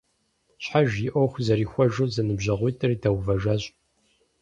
Щхьэж и Iуэху зэрихуэжу зэныбжьэгъуитIыр дэувэжащ.